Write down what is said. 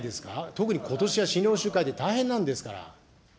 特にことしは診療報酬改定で大変なんですから。